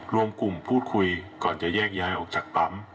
รวมกลุ่มพูดคุยก่อนจะแยกย้ายออกจากปั๊ม